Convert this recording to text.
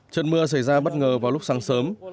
trận mưa xảy ra bất ngờ vào lúc sáng sớm